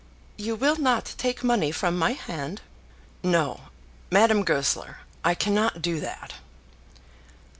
You will not take money from my hand?" "No, Madame Goesler; I cannot do that."